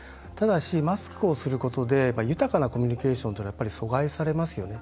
でもマスクをつけていることで豊かなコミュニケーションが阻害されますよね。